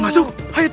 luas sekali tanahnya